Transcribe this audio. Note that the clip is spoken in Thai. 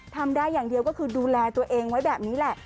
ทำได้อย่างเดียวก็คือดูแลตัวเองไว้แบบนี้แหละ